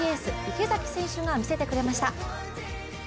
池崎選手が見せてくれました。